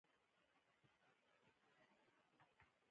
پر هر مسلمان د علم کول فرض دي.